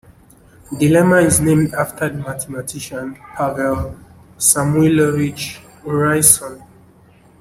The lemma is named after the mathematician Pavel Samuilovich Urysohn.